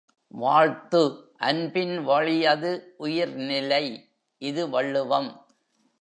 வாழ்த்து அன்பின் வழியது உயிர்நிலை! இது வள்ளுவம்.